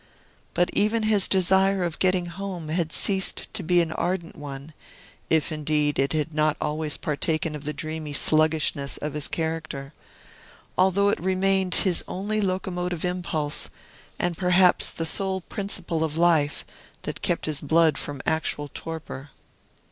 But even his desire of getting home had ceased to be an ardent one (if, indeed, it had not always partaken of the dreamy sluggishness of his character), although it remained his only locomotive impulse, and perhaps the sole principle of life that kept his blood from actual torpor.